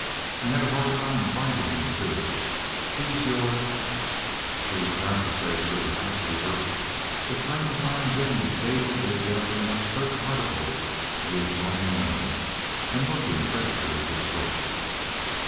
"I had a hard time finding you, too. Who's your—" she was about to say "pretty housekeeper," but turned to find Jennie dazedly gathering up certain articles in the adjoining room and looking dreadfully distraught.